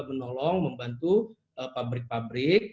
menolong membantu pabrik pabrik